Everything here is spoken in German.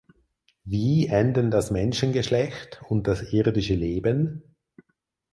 Wie enden das Menschengeschlecht und das irdische Leben?